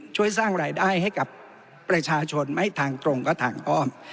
ช่วยสร้างรายได้ให้กับประชาชนไม่ทางตรงก็ทางอ้อม